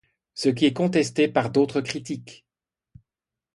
Ce qui est contesté par d'autres critiques.